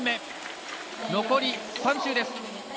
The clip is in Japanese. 残り３周です。